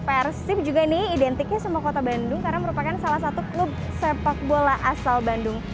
persib juga nih identiknya sama kota bandung karena merupakan salah satu klub sepak bola asal bandung